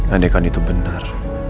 andai kan itu benar